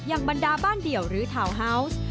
บรรดาบ้านเดี่ยวหรือทาวน์ฮาวส์